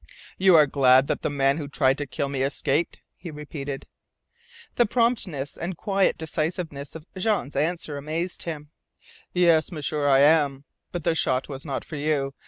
"You are glad that the man who tried to kill me escaped?" he repeated. The promptness and quiet decisiveness of Jean's answer amazed him. "Yes, M'sieur, I am. But the shot was not for you.